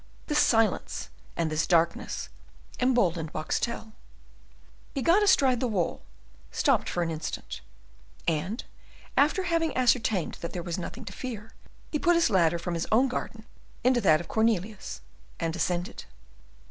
This silence and this darkness emboldened Boxtel; he got astride the wall, stopped for an instant, and, after having ascertained that there was nothing to fear, he put his ladder from his own garden into that of Cornelius, and descended.